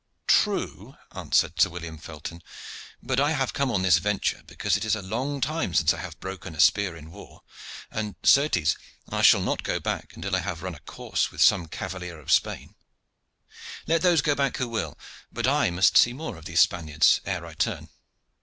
"True," answered Sir William Felton, "but I have come on this venture because it is a long time since I have broken a spear in war, and, certes, I shall not go back until I have run a course with some cavalier of Spain. Let those go back who will, but I must see more of these Spaniards ere I turn."